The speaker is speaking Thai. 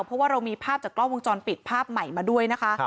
เพราะว่าเรามีภาพจากกล้องวงจรปิดภาพใหม่มาด้วยนะคะ